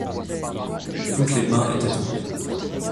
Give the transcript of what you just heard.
Toutes les mains étaient en l’air.